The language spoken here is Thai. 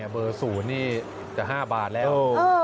เบอร์๐นี่จะ๕บาทแล้ว